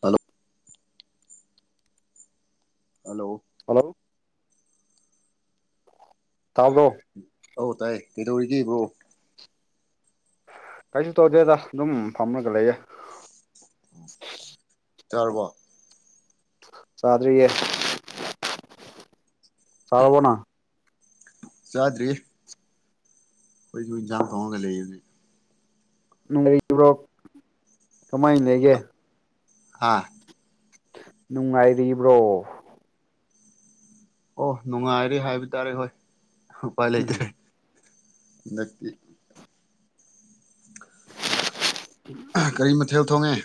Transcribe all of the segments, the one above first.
hello hello hello ꯇꯥꯕ꯭ꯔꯣ ꯑꯧ ꯇꯥꯏꯌꯦ ꯀꯩꯗꯧꯔꯤꯒꯦ ꯕ꯭ꯔꯣ ꯀꯩꯁꯨ ꯇꯧꯗꯦꯗ ꯑꯗꯨꯝ ꯐꯝꯃꯒ ꯂꯩꯌꯦ ꯆꯥꯔꯕꯣ ꯆꯥꯗꯔꯤꯌꯦ ꯆꯥꯔꯕꯣ ꯅꯪ ꯆꯥꯗ꯭ꯔꯤ ꯈꯣꯏꯖꯨ ꯏꯟꯖꯡ ꯊꯣꯡꯉꯒ ꯂꯩꯕꯅꯦ ꯂꯩꯕꯔꯣ ꯀꯃꯥꯏ ꯂꯩꯒꯦ ꯍꯥꯥ ꯅꯨꯡꯉꯥꯏꯔꯤꯕ꯭ꯔꯣ ꯑꯣ ꯅꯨꯡꯉꯥꯏꯔꯤ ꯍꯥꯏꯕ ꯇꯥꯔꯦ ꯍꯣꯏ ꯎꯄꯥꯏ ꯂꯩꯇ꯭ꯔꯦ ꯎꯝ ꯍꯟꯗꯛꯇꯤ ꯀꯔꯤ ꯃꯊꯦꯜ ꯊꯣꯡꯉꯦ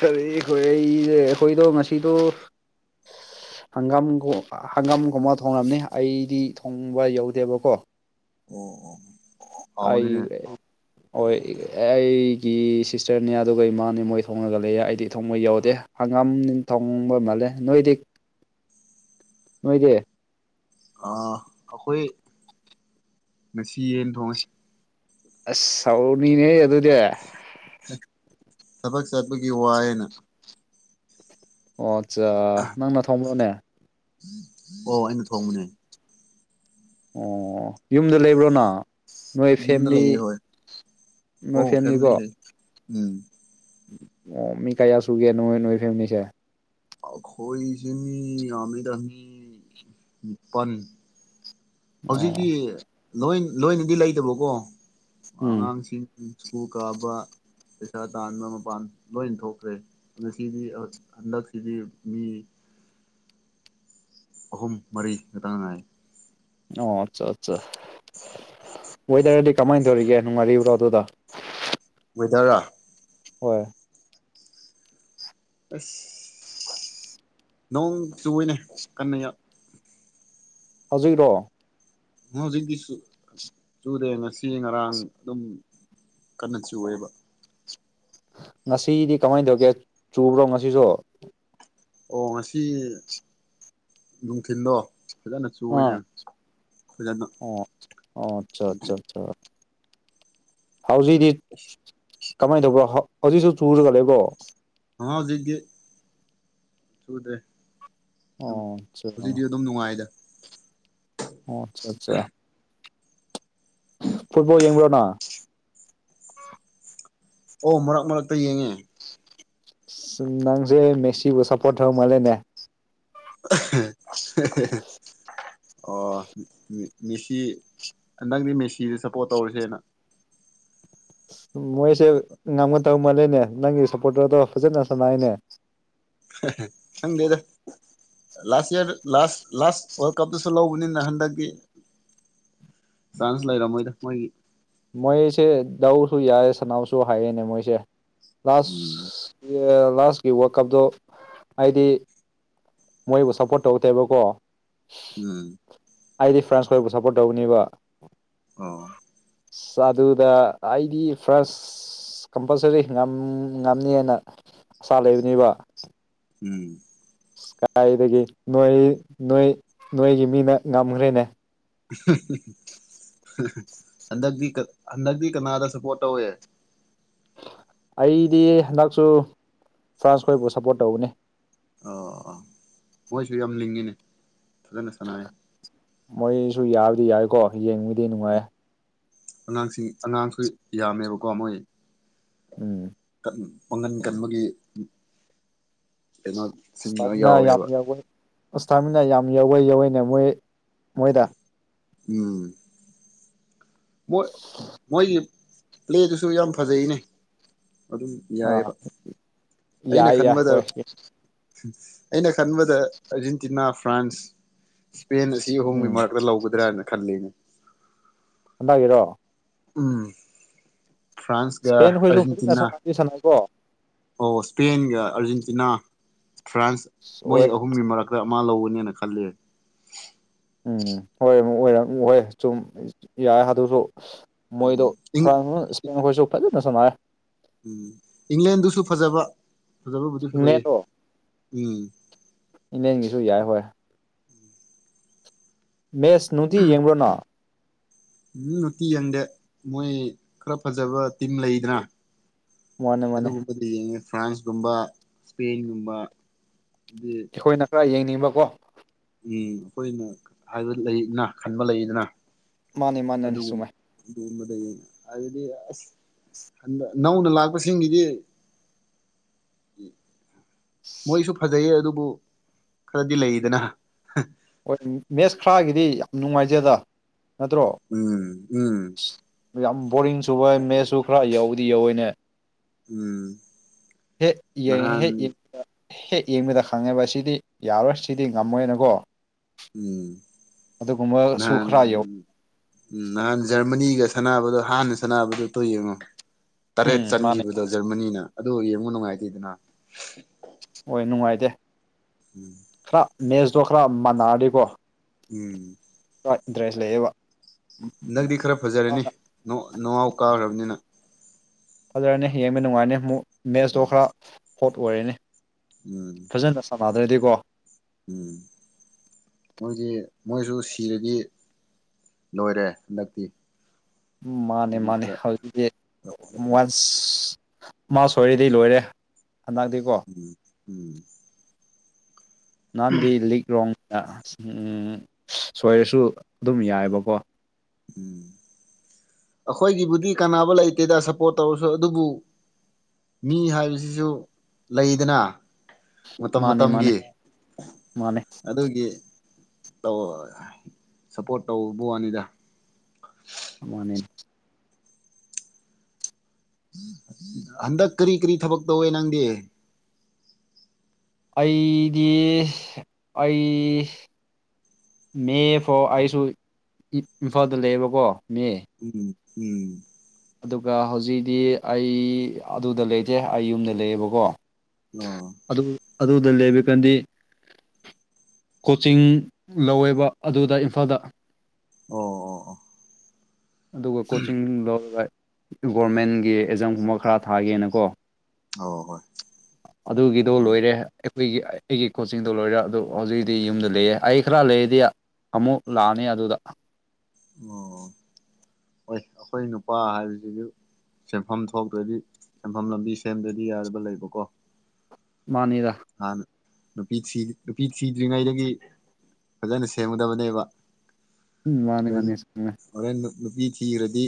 ꯀꯔꯤꯈꯣꯏ ꯑꯩꯁꯦ ꯑꯩꯈꯣꯏꯗꯣ ꯉꯁꯤꯗꯣ [inaudible] ꯍꯪꯒꯥꯝꯒꯣ ꯍꯪꯒꯥꯝꯒꯨꯝꯕ ꯊꯣꯡꯂꯝꯃꯦ ꯑꯩꯗꯤ ꯊꯣꯡꯕ ꯌꯧꯗꯦꯕꯀꯣ ꯑꯣ ꯑꯣ ꯑꯩ ꯍꯥꯎꯅꯤꯅꯦ ꯍꯣꯏ ꯑꯩꯒꯤ ꯁꯤꯁꯇꯔꯅꯦ ꯑꯗꯨꯒ ꯏꯃꯥꯅꯦ ꯃꯣꯏ ꯊꯣꯡꯉꯒ ꯂꯩꯌꯦ ꯑꯩꯗꯤ ꯊꯣꯡꯕ ꯌꯥꯎꯗꯦ ꯉꯝꯅꯤꯡ ꯊꯣꯡꯕ ꯃꯥꯜꯂꯦ ꯅꯣꯏꯗꯤ ꯅꯣꯏꯒꯤ ꯑꯥ ꯑꯩꯈꯣꯏ ꯉꯁꯤ ꯌꯦꯟ ꯊꯣꯡꯉꯦ ꯑꯁ ꯍꯥꯎꯔꯅꯤꯅꯦ ꯑꯗꯨꯗꯤ ꯊꯕꯛ ꯆꯠꯄꯒꯤ ꯋꯥꯏꯌꯦꯅ ꯑꯣ ꯆꯥ ꯅꯪꯅ ꯊꯣꯡꯕꯣꯅꯦ ꯑꯣ ꯑꯩꯅ ꯊꯣꯡꯕꯅꯦ ꯑꯣ ꯌꯨꯝꯗ ꯂꯩꯕ꯭ꯔꯣ ꯅ ꯅꯣꯏ ꯌꯨꯝꯗ ꯐꯦꯝꯂꯤ ꯂꯩꯌꯦ ꯍꯣꯏ ꯅꯣꯏ ꯑꯣ ꯐꯦꯝꯂꯤꯀꯣ ꯐꯦꯃꯤꯂꯤ ꯂꯩ ꯎꯝ ꯑꯣ ꯃꯤ ꯀꯌꯥ ꯁꯨꯒꯦ ꯅꯣꯏ ꯅꯣꯏ ꯐꯦꯃꯤꯁꯦ ꯑꯈꯣꯏꯁꯤ ꯃꯤ ꯌꯥꯝꯃꯤꯗ ꯃꯤ ꯅꯤꯄꯟ ꯍꯧꯖꯤꯛꯇꯤ ꯑꯣ ꯂꯣꯏ ꯂꯣꯏꯅꯗꯤ ꯂꯩꯇꯕꯀꯣ ꯎꯝ ꯑꯉꯥꯡꯁꯤꯡ ꯁ꯭ꯀꯨꯜ ꯀꯥꯕ ꯄꯩꯁꯥ ꯇꯥꯟꯕ ꯃꯄꯥꯟ ꯂꯣꯏ ꯊꯣꯛꯈ꯭ꯔꯦ ꯍꯟꯗꯛꯁꯤꯗꯤ ꯑꯥ ꯍꯟꯗꯛꯁꯤꯗꯤ ꯃꯤ [inaudible] ꯑꯍꯨꯝ ꯃꯔꯤ ꯈꯛꯇꯉꯥꯏꯔꯦ ꯑꯣ ꯑꯠꯆꯥ ꯑꯠꯆꯥ ꯋꯦꯗꯔꯗꯤ ꯀꯃꯥꯏꯅ ꯇꯧꯔꯤꯒꯦ ꯅꯨꯡꯉꯥꯏꯔꯤꯕ꯭ꯔꯣ ꯑꯗꯨꯗ ꯋꯦꯗ꯭ꯔꯔꯥ ꯍꯣꯏ ꯑꯁ ꯅꯣꯡ ꯆꯨꯋꯦꯅꯦ ꯀꯟꯅ ꯍꯧꯖꯤꯛꯔꯣ [unintelligible] ꯆꯨꯗꯦ ꯉꯁꯤ ꯉꯔꯥꯡ ꯑꯗꯨꯝ ꯀꯟꯅ ꯆꯨꯋꯦꯕ ꯉꯁꯤꯗꯤ ꯀꯃꯥꯏꯅ ꯇꯧꯒꯦ ꯆꯨꯕ꯭ꯔꯣ ꯉꯁꯤꯁꯨ ꯑꯣ ꯉꯁꯤ ꯅꯨꯡꯊꯤꯟꯗꯣ ꯐꯖꯅ ꯆꯨꯔꯦ ꯑꯥ ꯐꯖꯅ ꯑꯣ ꯑꯣ ꯑꯠꯆꯥ ꯎ ꯑꯠꯆꯥ ꯑꯠꯆꯥ ꯍꯧꯖꯤꯛꯗꯤ ꯀꯃꯥꯏꯅ ꯇꯧꯕ꯭ꯔꯣ ꯍꯧꯖꯤꯛꯁꯨ ꯆꯨꯔꯒ ꯂꯩꯕꯣ ꯍꯥ ꯍꯧꯖꯤꯛꯇꯤ ꯆꯨꯗꯦ ꯑꯗꯨꯝ ꯑꯣ ꯑꯠꯆꯥ ꯍꯧꯖꯤꯛꯇꯤ ꯑꯗꯨꯝ ꯅꯨꯡꯉꯥꯏꯗ ꯑꯣ ꯑꯠꯆꯥ ꯑꯠꯆꯥ ꯐꯨꯠꯕꯣꯜ ꯌꯦꯡꯕ꯭ꯔꯣ ꯅꯪ ꯍꯣ ꯃꯔꯛ ꯃꯔꯛꯇ ꯌꯦꯡꯉꯦ ꯅꯪꯁꯦ ꯃꯦꯁꯤꯕꯨ ꯁꯄꯣꯠ ꯇꯧꯕ ꯃꯥꯂꯦꯅꯦ [unintelligible] ꯑꯥ ꯃꯦꯁꯤ ꯅꯪꯗꯤ ꯃꯦꯁꯤꯗ ꯁꯞꯄꯣꯔꯠ ꯇꯧꯔꯤꯁꯦꯅ ꯃꯣꯏꯁꯦ ꯉꯝꯃ ꯇꯧ ꯃꯥꯜꯂꯦꯅꯦ ꯅꯪꯒꯤ ꯁꯞꯄꯣꯔꯇꯔꯗꯣ ꯐꯖꯅ ꯁꯥꯟꯅꯩꯏꯅꯦ ꯈꯪꯗꯦꯗ ꯂꯥꯁ ꯌꯥꯔ ꯂꯥꯁ ꯂꯥꯁ ꯋꯥꯔꯜ ꯀꯞꯇꯁꯨ ꯂꯧꯕꯅꯤꯅ ꯍꯟꯗꯛꯇꯤ ꯆꯥꯟꯁ ꯂꯩꯔꯝꯃꯣꯏꯗ ꯃꯣꯏꯒꯤ ꯃꯣꯏꯁꯦ ꯂꯧꯎꯁꯨ ꯌꯥꯎꯋꯦ ꯁꯅꯥꯎꯁꯨ ꯍꯩꯏꯌꯦꯅꯦ ꯃꯣꯏꯁꯦ ꯂꯥꯁ ꯎꯝ ꯂꯥꯁꯀꯤ ꯋꯥꯔꯜ ꯀꯞꯇꯣ ꯍꯥꯏꯗꯤ ꯃꯣꯏꯕꯨ ꯁꯞꯄꯣꯔꯠ ꯇꯧ ꯇꯦꯕꯀꯣ ꯎꯝ ꯑꯩꯗꯤ ꯐ꯭ꯔꯥꯟꯁ ꯈꯣꯏꯕꯨ ꯁꯞꯄꯣꯔꯠ ꯇꯧꯒꯅꯦꯕ ꯑꯣ ꯑ ꯑꯗꯨꯗ ꯑꯩꯗꯤ ꯐꯥꯔꯁ ꯀꯝꯄꯜꯁꯔꯤ ꯉꯝ ꯉꯝꯅꯤꯅ ꯑꯁꯥ ꯂꯩꯕꯅꯦꯕ ꯎꯝ ꯀꯥꯗꯥꯏꯗꯒꯤ ꯅꯣꯏ ꯅꯣꯏ ꯅꯣꯏꯒꯤ ꯃꯤꯅ ꯉꯝꯒ꯭ꯔꯦꯅꯦ ꯍꯨ ꯍꯨ ꯍꯨ ꯍꯟꯗꯛꯇꯤ ꯍꯟꯗꯛꯇꯤ ꯀꯅꯥꯗ ꯁꯄꯣꯔꯠ ꯇꯧꯋꯦ ꯑꯩꯗꯤ ꯍꯟꯗꯛꯁꯨ ꯐ꯭ꯔꯥꯟꯁ ꯈꯣꯏꯕꯨ ꯁꯞꯄꯣꯔꯠ ꯇꯧꯒꯅꯤ ꯑ ꯃꯣꯏꯁꯨ ꯌꯥꯝ ꯂꯤꯡꯉꯤꯅꯦ ꯐꯖꯅ ꯁꯥꯟꯅꯩꯌꯦ ꯃꯣꯏꯁꯨ ꯌꯥꯕꯗꯤ ꯌꯥꯏꯀꯣ ꯌꯦꯡꯕꯨꯗꯤ ꯅꯨꯡꯉꯥꯏ ꯑꯉꯥꯡꯁꯤꯡ ꯑꯉꯥꯡꯁꯨ ꯌꯥꯝꯃꯦꯕꯀꯣ ꯃꯣꯏ ꯎꯝ ꯄꯥꯡꯒꯟ ꯀꯟꯕꯒꯤ ꯀꯩꯅꯣꯁꯤꯡꯗ ꯏꯁꯇꯥꯃꯤꯅꯥ ꯌꯥꯝ ꯌꯥꯎꯋꯦꯕ ꯌꯧꯋꯦ ꯏꯁꯇꯥꯃꯤꯅꯥ ꯌꯥꯝ ꯌꯧꯋꯦ ꯌꯧꯋꯦꯅꯦ ꯃꯣꯏ ꯃꯣꯏꯗ ꯎꯝ ꯃꯣꯏꯒꯤ ꯄ꯭ꯂꯦꯗꯨꯁꯨ ꯌꯥꯝ ꯐꯖꯩꯅꯦ ꯑꯗꯨꯝ ꯑꯥ ꯌꯥꯏꯑꯕ ꯑꯩꯅ ꯌꯥꯏ ꯌꯥꯏ ꯈꯟꯕꯗ ꯍꯣꯏ ꯑꯩꯅ ꯈꯟꯕꯗ ꯑꯔꯖꯦꯟꯇꯤꯅꯥ ꯐ꯭ꯔꯥꯟꯁ ꯏꯁꯄꯦꯟ ꯑꯁꯤ ꯑꯍꯨꯞꯒꯤ ꯎꯝ ꯃꯔꯛꯇ ꯂꯧꯒꯗ꯭ꯔꯥꯅ ꯈꯜꯂꯤꯅꯦ [unintelligible] ꯎꯝ ꯐ꯭ꯔꯥꯟꯁꯀ ꯏꯁꯄꯦꯟ ꯈꯣꯏꯁꯨ ꯐꯖꯅ ꯑꯔꯖꯦꯟꯇꯤꯅꯥ ꯁꯥꯟꯅꯗꯤ ꯁꯥꯟꯅꯩꯀꯣ ꯑꯣ ꯁ꯭ꯄꯦꯟꯒ ꯑꯥꯔꯖꯦꯟꯇꯤꯅꯥ ꯐ꯭ꯔꯥꯟꯁ ꯃꯣꯏ ꯍꯣꯏ ꯑꯍꯨꯝꯒꯤ ꯃꯔꯛꯇ ꯃꯥ ꯂꯧꯒꯅꯦꯅ ꯈꯜꯂꯦ ꯎꯝ ꯍꯣꯏ ꯑꯃꯨꯛ ꯑꯣꯏꯔꯦ ꯑꯃꯨꯛ ꯑꯣꯢ ꯁꯨꯝ ꯌꯥꯔ ꯑꯗꯨꯁꯨ ꯃꯣꯏꯗꯣ ꯎꯝ ꯏꯪ ꯈꯔꯃ ꯁ꯭ꯄꯦꯟ ꯍꯣꯏꯁꯨ ꯐꯖꯟꯅ ꯁꯥꯟꯅꯩꯌꯦ ꯎꯝ ꯏꯪꯂꯦꯟꯗꯨꯁꯨ ꯐꯖꯕ ꯐꯖꯕꯕꯨꯗꯤ ꯐꯖꯩꯌꯦ ꯏꯪꯂꯦꯟꯗꯣ ꯎꯝ ꯏꯪꯂꯦꯟꯒꯤꯁꯨ ꯌꯥꯏ ꯍꯣꯏ ꯃꯦꯁ ꯅꯨꯡꯇꯤ ꯌꯦꯡꯕ꯭ꯔꯣ ꯅꯪ ꯎꯝ ꯅꯨꯡꯇꯤ ꯌꯦꯡꯗꯦ ꯃꯣꯏ ꯈꯔ ꯐꯖꯕ ꯇꯤꯝ ꯂꯩꯗꯅ ꯃꯥꯅꯦ ꯃꯥꯅꯦ ꯑꯗꯨꯒꯨꯝꯕꯗꯦ ꯌꯦꯡꯉꯦ ꯐ꯭ꯔꯥꯟꯁꯀꯨꯝꯕ ꯁ꯭ꯄꯦꯟꯒꯨꯝꯕ ꯑꯩꯈꯣꯏꯅ ꯈꯔ ꯌꯦꯡꯅꯤꯡꯕꯀꯣ ꯎꯝ ꯑꯩꯈꯣꯏꯅ ꯍꯥꯏꯕ ꯂꯩꯅ ꯈꯟꯕ ꯂꯩꯗꯅ ꯃꯥꯅꯦ ꯃꯥꯅꯅꯦ ꯑꯗꯨꯒꯨꯝ ꯆꯨꯝꯃꯦ [unintelligible] ꯑꯁ ꯅꯧꯅ ꯂꯥꯛꯄꯁꯤꯡꯒꯤꯗꯤ [inaudible] ꯃꯣꯏꯁꯨ ꯐꯖꯩꯌꯦ ꯑꯗꯨꯕꯨ ꯈꯔꯗꯤ ꯂꯩꯗꯅ ꯍꯣꯏ ꯃꯦꯠꯁ ꯈ꯭ꯔꯒꯤꯗꯤ ꯌꯥꯝ ꯅꯨꯡꯉꯥꯏꯖꯦꯗ ꯅꯠꯇ꯭ꯔꯣ ꯎꯝ ꯎꯝ ꯌꯥꯝ ꯕꯣꯔꯤꯡ ꯆꯨꯕ ꯃꯦꯠꯁꯁꯨ ꯈꯔ ꯌꯧꯕꯗꯤ ꯌꯧꯋꯤꯅꯦ ꯎꯝ ꯍꯦꯠ ꯌꯦꯡ ꯅꯍꯥꯟ ꯍꯦ ꯌꯦ ꯍꯦꯛ ꯌꯦꯡꯕꯗ ꯈꯪꯉꯦꯕ ꯁꯤꯗꯤ ꯌꯥꯔꯣꯏ ꯁꯤꯗꯤ ꯉꯝꯃꯣꯏꯅꯀꯣ ꯎꯝ ꯑꯗꯨꯒꯨꯝꯕꯁꯨ ꯅꯍꯥꯟ ꯈꯔ ꯌꯧ ꯎꯝ ꯅꯍꯥꯟ ꯖꯔꯃꯅꯤ ꯁꯤꯒ ꯁꯥꯟꯅꯕꯗꯣ ꯍꯥꯟꯅ ꯁꯅꯥꯅꯕꯗꯨꯇꯣ ꯌꯦꯡꯉꯣ ꯇꯔꯦꯠ ꯎꯝ ꯃꯥꯅꯦ ꯆꯟꯈꯤꯕꯗꯣ ꯖꯔꯃꯅꯤ ꯑꯗꯨ ꯌꯦꯡꯉꯨ ꯅꯨꯡꯉꯥꯏꯇꯦꯗꯅ ꯍꯣꯏ ꯅꯨꯡꯉꯥꯏꯇꯦ ꯈ꯭ꯔ ꯃꯦꯁꯇꯣ ꯈꯔ ꯃꯥꯟꯅꯔꯗꯤꯀꯣ ꯎꯝ ꯏꯟꯇ꯭ꯔꯦꯁ ꯂꯩꯌꯦꯕ ꯅꯪꯗꯤ ꯈꯔ ꯐꯖꯔꯅꯤ ꯅꯣ ꯅꯣꯑꯥꯎ ꯀꯥꯈ꯭ꯔꯕꯅꯤꯅ ꯐꯖꯔꯅꯤ ꯌꯦꯡꯕ ꯅꯨꯡꯉꯥꯏꯅꯤ ꯑꯃꯨꯛ ꯃꯦꯠꯁꯇꯣ ꯎꯝ ꯈꯔ ꯍꯣꯠ ꯑꯣꯏꯔꯅꯤ ꯎꯝ ꯃꯥꯗ꯭ꯔꯗꯤꯀꯣ ꯎꯝ ꯃꯣꯏꯒꯤ ꯃꯣꯏꯁꯨ ꯁꯤꯔꯗꯤ ꯂꯣꯏꯔꯦ ꯍꯟꯗꯛꯇꯤ ꯃꯥꯅꯦ ꯑꯗꯨꯒꯤ ꯃꯥꯅꯦ ꯈꯔ ꯍꯧꯖꯤꯛꯇꯤ ꯈꯔ ꯐꯖꯔꯅꯤ ꯋꯥꯁ ꯃꯥ ꯁꯣꯏꯔꯤꯗꯤ ꯂꯣꯏꯔꯦ ꯍꯟꯗꯛꯇꯤꯀꯣ ꯎꯝ ꯎꯝ ꯅꯍꯥꯟꯗꯤ ꯂꯤꯛ ꯔꯣꯡ ꯎ ꯎ ꯁꯣꯏꯔꯁꯨ ꯑꯗꯨꯝ ꯌꯥꯏꯌꯦꯕꯀꯣ ꯎꯝ ꯑꯩꯈꯣꯏꯒꯤꯕꯨꯗꯤ ꯀꯥꯟꯅꯕ ꯂꯩꯇꯦꯗ ꯁꯞꯄꯣꯔꯠ ꯇꯧꯔꯁꯨ ꯑꯗꯨꯕꯨ ꯃꯤ ꯍꯥꯏꯕꯁꯤꯁꯨ ꯂꯩꯗꯅ ꯃꯇꯝ ꯃꯥꯅꯤ ꯃꯥꯅꯤ ꯃꯇꯝꯒꯤ ꯃꯥꯅꯤ ꯑꯗꯨꯒꯤ ꯇꯣ ꯁꯞꯄꯣꯔꯠ ꯇꯧꯕ ꯋꯥꯅꯤꯗ ꯃꯥꯅꯦ ꯍꯟꯗꯛ ꯀꯔꯤ ꯀꯔꯤ ꯊꯕꯛ ꯇꯧꯋꯦ ꯅꯪꯗꯤ ꯑꯩꯗꯤ ꯑꯩ ꯃꯦ ꯐꯥꯎ ꯑꯩꯁꯨ ꯏꯝꯐꯥꯜꯗ ꯂꯩꯌꯦꯕꯀꯣ ꯃꯦ ꯎꯝ ꯎꯝ ꯑꯗꯨꯒ ꯍꯧꯖꯤꯛꯤ ꯑꯩ ꯑꯗꯨꯗ ꯂꯩꯇꯦ ꯑꯩ ꯌꯨꯝꯗ ꯂꯩꯌꯦꯕꯀꯣ ꯑ ꯑꯗꯨ ꯑꯗꯨꯗ ꯂꯩꯕ ꯀꯥꯟꯗꯤ ꯀꯣꯆꯤꯡ ꯂꯧꯋꯦꯕ ꯑꯗꯨꯗ ꯏꯝꯐꯥꯜꯗ ꯑꯣ ꯑꯣ ꯑꯣ ꯑꯗꯨꯒ ꯀꯣꯆꯤꯡ ꯂꯧꯔꯒ ꯒꯣꯔꯃꯦꯟꯒꯤ ꯑꯦꯛꯖꯥꯝꯒꯨꯝꯕ ꯈꯔ ꯊꯥꯒꯦꯅꯀꯣ ꯑꯣ ꯍꯣꯏ ꯑꯗꯨꯒꯤꯗꯣ ꯑꯣ ꯍꯣꯏ ꯂꯣꯏꯔꯦ ꯑꯩꯈꯣꯏꯒꯤ ꯑꯩꯒꯤ ꯀꯣꯆꯤꯡꯗꯣ ꯂꯣꯏꯔꯦ ꯑꯗꯨ ꯍꯧꯖꯤꯛꯛꯇꯤ ꯌꯨꯝꯗ ꯂꯩꯌꯦ ꯑꯩ ꯈꯔ ꯂꯩꯔꯗꯤ ꯑꯃꯨꯛ ꯂꯥꯛꯑꯅꯤ ꯑꯗꯨꯗ ꯑꯣ ꯍꯣꯏ ꯑꯩꯈꯣꯏ ꯅꯨꯄꯥ ꯍꯥꯏꯕꯁꯤꯁꯨ ꯆꯦꯟꯐꯝ ꯊꯣꯛꯇ꯭ꯔꯗꯤ ꯁꯦꯟꯐꯝ ꯂꯝꯕꯤ ꯁꯦꯝꯗ꯭ꯔꯗꯤ ꯌꯥꯗꯕ ꯂꯩꯕꯀꯣ ꯃꯥꯅꯤꯗ ꯍꯥꯟꯅ ꯅꯨꯄꯤ ꯊꯤ ꯅꯨꯄꯤ ꯊꯤꯗ꯭ꯔꯤꯉꯩꯗꯒꯤ ꯐꯖꯅ ꯁꯦꯝꯒꯗꯕꯅꯦꯕ ꯎꯝ ꯋꯥꯅꯤ ꯍꯣꯔꯦꯟ ꯋꯥꯅꯤ ꯁꯉ ꯍꯣꯔꯦꯟ ꯅꯨꯄꯤ ꯊꯤꯔꯗꯤ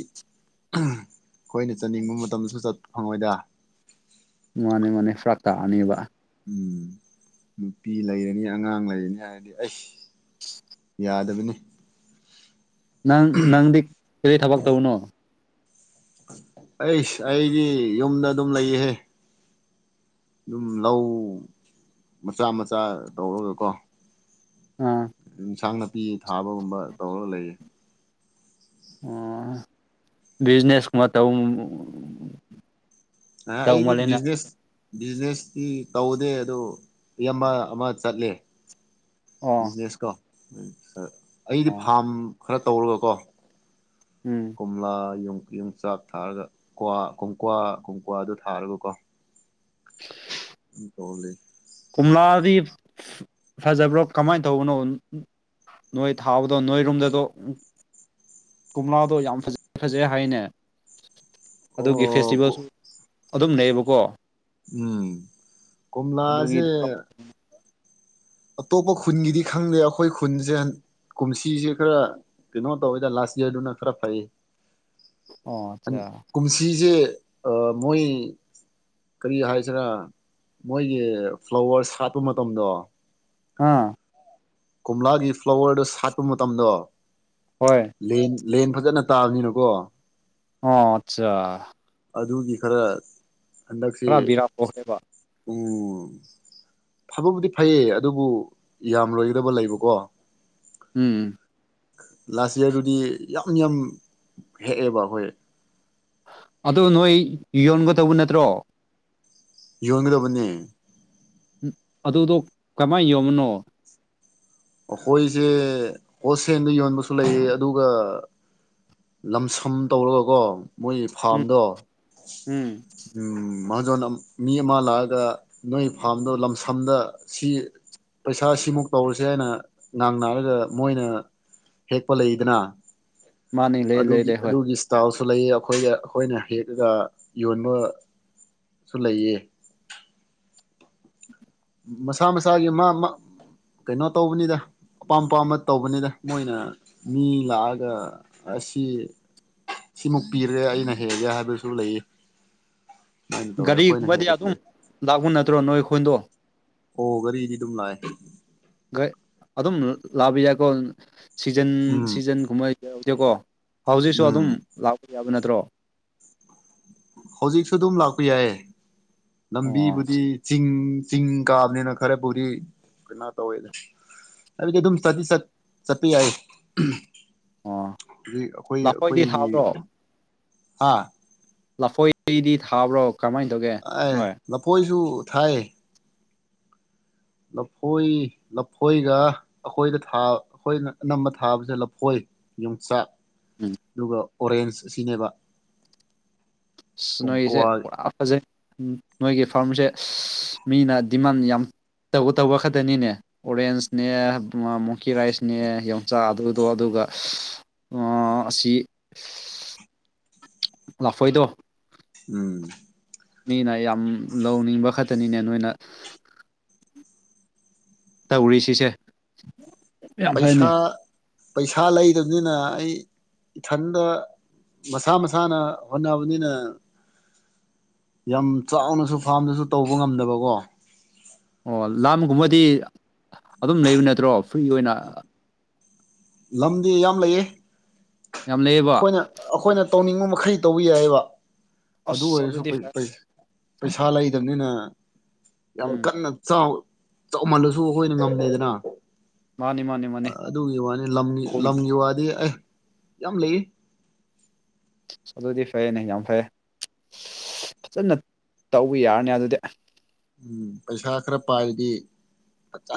ꯑꯩꯈꯣꯏꯅ ꯆꯠꯅꯤꯡꯕ ꯃꯇꯝꯗꯁꯨ ꯆꯠ ꯐꯪꯉꯣꯏꯗ ꯃꯥꯅꯦ ꯃꯥꯅꯦ ꯐ꯭ꯔ ꯎꯝ ꯎꯝ ꯅꯨꯄꯤ ꯂꯩꯔꯅꯤ ꯑꯉꯥꯡ ꯂꯩꯔꯅꯤ ꯍꯥꯏꯔꯗꯤ ꯑꯩ ꯌꯥꯗꯕꯅꯤ ꯅꯪ ꯅꯪꯗꯤ ꯀꯔꯤ ꯊꯕꯛ ꯇꯧꯕꯅꯣ ꯑꯩꯁ ꯑꯩꯒꯤ ꯌꯨꯝꯗ ꯑꯗꯨꯝ ꯂꯩꯌꯦꯍꯦ ꯑꯗꯨꯝ ꯂꯧ ꯃꯆꯥ ꯃꯆꯥ ꯇꯧꯔꯒꯀꯣ ꯑꯝ ꯑꯦꯟꯁꯥꯡ ꯅꯥꯄꯤ ꯊꯥꯕꯒꯨꯝꯕ ꯇꯧꯔꯒ ꯂꯩꯌꯦ ꯑꯣ ꯕꯤꯖꯤꯅꯦꯁ ꯀꯨꯝꯕ ꯇꯧ ꯑ ꯇꯧ ꯑꯩꯗꯤ ꯃꯥꯜꯂꯦꯅ ꯕꯤꯖꯤꯅꯦꯁ ꯕꯤꯖꯤꯅꯦꯁꯇꯤ ꯇꯧꯗꯦ ꯑꯗꯨꯗꯣ ꯏꯌꯥꯝꯕ ꯑꯃ ꯆꯠꯂꯦ ꯑꯣ ꯕꯤꯖꯤꯅꯦꯁ ꯀꯣ ꯑꯩꯗꯤ ꯑꯣ ꯐꯥꯝ ꯈꯔ ꯇꯧꯔꯒꯀꯣ ꯎꯝ ꯀꯣꯝꯂꯥ ꯌꯨꯝ ꯌꯨꯝꯆꯥꯛ ꯊꯥꯔꯒ ꯀ꯭ꯋꯥ ꯀꯀ꯭ꯋꯥ ꯀꯨꯝꯀ꯭ꯋꯥꯗꯨ ꯊꯥꯔꯒꯀꯣ [inaudible] ꯇꯧꯂꯤ ꯀꯣꯝꯂꯥꯗꯤ ꯐꯖꯕ꯭ꯔꯣ ꯀꯃꯥꯏꯅ ꯇꯧꯕꯅꯣ ꯅꯣꯏ ꯊꯥꯎꯕꯗ ꯅꯣꯏ ꯔꯨꯝꯗꯗ ꯀꯣꯝꯂꯥꯗꯣ ꯌꯥꯝ ꯐꯖꯩ ꯐꯖꯩ ꯍꯥꯏꯅꯦ ꯑꯗꯨꯒꯤ ꯑꯣ ꯐꯦꯁꯇꯤꯚꯦꯜꯁꯨ ꯀꯣ ꯑꯗꯨꯝ ꯂꯩꯌꯦꯕꯀꯣ ꯎꯝ ꯑꯗꯨꯒꯤ ꯀꯣꯃꯂꯥꯁꯦ ꯑꯇꯣꯞꯄ ꯈꯨꯟꯒꯤꯗꯤ ꯈꯪꯗꯦ ꯑꯩꯈꯣꯏ ꯈꯨꯟꯁꯦ ꯀꯨꯝꯁꯤꯁꯦ ꯈꯔ ꯀꯩꯅꯣ ꯇꯧꯋꯤꯗ ꯂꯥꯁ ꯏ꯭ꯌꯔꯗꯨꯅ ꯈꯔ ꯐꯩ ꯑꯣ ꯑꯠꯆꯥ ꯀꯨꯝꯁꯤꯁꯦ ꯑꯥ ꯃꯣꯏ ꯀꯔꯤ ꯍꯥꯏꯁꯤꯔꯥ ꯃꯣꯏꯒꯤ ꯐ꯭ꯂꯥꯋꯔ ꯁꯥꯠꯄ ꯃꯇꯝꯗꯣ ꯑꯥ ꯀꯣꯝꯂꯥꯒꯤ ꯐ꯭ꯂꯥꯋꯔꯗꯣ ꯁꯥꯠꯄ ꯃꯇꯝꯗꯣ ꯍꯣꯏ ꯂꯦꯟ ꯂꯦꯟ ꯐꯖꯅ ꯇꯥꯕꯅꯤꯅꯀꯣ ꯑꯣ ꯑꯠꯆꯥ ꯑꯗꯨꯒꯤ ꯈꯔ ꯍꯟꯗꯛꯁꯦ ꯈꯔ ꯕꯤꯔꯥ ꯄꯣꯛꯈ꯭ꯔꯦꯕ ꯎꯝ ꯐꯕꯕꯨꯗꯤ ꯐꯩꯌꯦ ꯑꯗꯨꯕꯨ ꯌꯥꯝꯂꯣꯏꯒꯗꯕ ꯂꯩꯕꯀꯣ ꯎꯝ ꯂꯥꯁ ꯏꯌꯥꯔꯗꯨꯗꯤ ꯌꯥꯝ ꯌꯥꯝ ꯍꯦꯛꯑꯦꯕ ꯑꯩꯈꯣꯏ ꯑꯗꯨ ꯅꯣꯏ ꯌꯣꯟꯒ ꯗꯧꯕ ꯅꯠꯇ꯭ꯔꯣ ꯌꯣꯟꯒꯗꯕꯅꯦ ꯑꯗꯨꯗꯣ ꯀꯃꯥꯏꯅ ꯌꯣꯕꯅꯣ ꯑꯩꯈꯣꯏꯁꯦ ꯍꯣꯠꯁꯦꯜꯗ ꯌꯣꯟꯕꯁꯨ ꯂꯩꯌꯦ ꯑꯗꯨꯒ ꯂꯝꯁꯝ ꯇꯧꯔꯒꯀꯣ ꯃꯣꯏꯒꯤ ꯎꯝ ꯐꯥꯔꯝꯗꯣ ꯎꯝ ꯎꯝ ꯃꯍꯥꯖꯣꯟ ꯃꯤ ꯑꯃ ꯂꯥꯛꯑꯒ ꯅꯣꯏ ꯐꯥꯔꯝꯗꯣ ꯂꯝꯁꯝꯗ ꯁꯤ ꯄꯩꯁꯥ ꯁꯤꯃꯨꯛ ꯇꯧꯔꯁꯤ ꯍꯥꯏꯅ ꯉꯥꯡꯅꯔꯒ ꯃꯣꯏꯅ ꯍꯦꯛꯄ ꯂꯩꯗꯅ ꯃꯥꯅꯤ ꯂꯩ ꯂꯩ ꯑꯗꯨꯒꯤ ꯂꯩ ꯍꯣꯏ ꯑꯗꯨꯒꯤ ꯁꯏꯇꯥꯜ ꯁꯨ ꯂꯩꯌꯦ ꯑꯩꯈꯣꯏ ꯑꯩꯈꯣꯏꯅ ꯍꯦꯛꯑꯒ ꯌꯣꯟꯕ ꯁꯨ ꯂꯩꯌꯦ ꯃꯁꯥ ꯃꯁꯥꯒꯤ ꯃꯥ ꯀꯩꯅꯣ ꯇꯧꯕꯅꯤꯗ ꯑꯄꯥꯝ ꯑꯄꯥꯝꯕ ꯇꯧꯕꯅꯤꯗ ꯃꯣꯏꯅ ꯃꯤ ꯂꯥꯛꯑꯒ ꯑꯁꯤ ꯁꯤꯃꯨꯛ ꯄꯤꯔꯦ ꯑꯩꯅ ꯍꯦꯛꯒꯦ ꯍꯥꯏꯕꯁꯨ ꯂꯩꯌꯦ ꯒꯥꯔꯤꯒꯨꯝꯕꯗꯤ ꯑꯗꯨꯝ ꯂꯥꯛꯄ ꯅꯠꯇ꯭ꯔꯣ ꯅꯣꯏ ꯈꯨꯟꯗꯣ ꯍꯣ ꯒꯔꯤꯗꯤ ꯗꯨꯝ ꯂꯥꯛꯑꯦ ꯑꯗꯨꯝ ꯂꯥꯛꯕ ꯌꯥꯏꯀꯣ ꯁꯤꯖꯟ ꯎꯝ ꯁꯤꯖꯟꯒꯨꯝꯕ ꯌꯥꯎꯗꯦꯀꯣ ꯍꯧꯖꯤꯛꯁꯨ ꯑꯗꯨꯝ ꯎꯝ ꯂꯥꯛꯄ ꯌꯥꯕ ꯅꯠꯇ꯭ꯔꯣ ꯍꯧꯖꯤꯛꯁꯨ ꯑꯗꯨꯝ ꯂꯥꯛꯄ ꯌꯥꯏꯌꯦ ꯑꯣ ꯂꯝꯕꯤꯕꯨꯗꯤ ꯆꯤꯡ ꯆꯤꯡ ꯀꯥꯕꯅꯤꯅ ꯈꯔ ꯄꯨꯗꯤ ꯀꯩꯅꯣ ꯇꯧꯋꯦ ꯑꯩ ꯗꯤ ꯗꯨꯝ ꯆꯠ ꯇꯤ ꯆꯠ ꯆꯠꯄ ꯌꯥꯏ ꯑꯣ ꯍꯧ ꯑꯩꯈꯣꯏ ꯂꯐꯣꯏꯗꯤ ꯑꯩꯈꯣꯏꯒꯤ ꯊꯥꯕ꯭ꯔꯣ ꯍꯥꯥ ꯂꯐꯣꯏꯗꯤ ꯊꯥꯕ꯭ꯔꯣ ꯀꯃꯥꯏꯅ ꯇꯧꯒꯦ ꯑꯥꯏ ꯅꯣꯏ ꯂꯐꯣꯏꯁꯨꯨ ꯊꯥꯏꯌꯦ ꯂꯐꯣꯏ ꯂꯐꯣꯏꯒ ꯑꯩꯈꯣꯏꯗ ꯑꯩꯈꯣꯏꯅ ꯑꯅꯝꯕ ꯊꯥꯕꯁꯦ ꯂꯐꯣꯏ ꯌꯣꯡꯆꯥꯛ ꯎꯝ ꯑꯗꯨꯒ ꯑꯣꯔꯦꯟꯖ ꯑꯁꯤꯅꯦꯕ ꯑ ꯅꯣꯏꯁꯦ ꯀꯣꯡꯀ꯭ꯋꯥ ꯄꯨꯔꯥ ꯐꯖꯩ ꯅꯣꯏꯒꯤ ꯐꯥꯔꯝꯁꯦ ꯑꯁ ꯃꯤꯅ ꯗꯤꯃꯥꯟ ꯌꯥꯝ ꯇꯧꯕ ꯇꯧꯕ ꯈꯛꯇꯅꯤꯅꯦ ꯑꯣꯔꯦꯟꯁꯅꯦ ꯃꯣꯡꯀꯤ ꯔꯥꯏꯁꯅꯦ ꯌꯣꯡꯆꯥ ꯑꯗꯨ ꯑꯣ ꯑꯗꯨꯒ ꯑ ꯑꯁꯤ ꯂꯐꯣꯏꯗꯣ ꯎꯝ ꯃꯤꯅ ꯌꯥꯝ ꯂꯧꯅꯤꯡꯕ ꯈꯛꯇꯅꯤꯅꯦ ꯅꯣꯏꯅ ꯇꯧꯔꯤꯁꯤꯁꯦ ꯄꯩꯁꯥ ꯄꯩꯁꯥ ꯂꯩꯗꯕꯅꯤꯅ ꯑꯩ ꯏꯊꯟꯗ ꯃꯁꯥ ꯃꯁꯥꯅ ꯍꯣꯠꯅꯕꯅꯤꯅ ꯌꯥꯝ ꯆꯥꯎꯅꯁꯨ ꯐꯥꯔꯝꯗꯁꯨ ꯇꯧꯕ ꯉꯝꯗꯕꯀꯣ ꯑꯣ ꯂꯥꯝꯒꯨꯝꯕꯗꯤ ꯑꯗꯨꯝ ꯂꯩꯕ ꯅꯠꯇ꯭ꯔꯣ ꯐ꯭ꯔꯤ ꯑꯣꯏꯅ ꯂꯝꯗꯤ ꯌꯥꯝ ꯂꯩꯌꯦ ꯌꯥꯝ ꯂꯩꯌꯦꯕ ꯑꯩꯈꯣꯏꯅ ꯑꯩꯈꯣꯏꯅ ꯇꯧꯅꯤꯡꯕ ꯃꯈꯩ ꯇꯧꯕ ꯌꯥꯏꯌꯦꯕ ꯑꯗꯨ ꯑꯁ ꯑꯣꯏꯔꯁꯨ ꯑꯗꯨꯗꯤ ꯐꯩ ꯄꯩ ꯄꯩꯁꯥ ꯂꯩꯇꯕꯅꯤꯅ ꯌꯥꯝ ꯎꯝ ꯀꯟꯅ ꯆꯥꯎ ꯆꯥꯎꯃꯜꯂꯁꯨ ꯑꯩꯈꯣꯏꯅ ꯉꯝꯗꯦꯗꯅ ꯃꯥꯅꯤ ꯃꯥꯅꯤ ꯃꯥꯅꯤ ꯑꯗꯨꯒꯤ ꯋꯥꯅꯤ ꯂꯝ ꯍꯣꯏ ꯂꯝꯒꯤ ꯋꯥꯗꯤ ꯑꯦ ꯌꯥꯝ ꯂꯩꯌꯦ ꯑꯗꯨꯗꯤ ꯐꯩꯅꯦ ꯌꯥꯝ ꯐꯩ ꯐꯖꯅ ꯇꯧꯕ ꯌꯥꯔꯅꯤ ꯑꯗꯨꯗꯤ ꯎꯝ ꯄꯩꯁꯥ ꯈꯔ ꯄꯥꯏꯔꯗꯤ ꯐꯖ